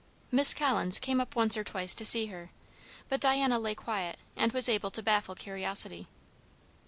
Miss Collins came up once or twice to see her, but Diana lay quiet, and was able to baffle curiosity.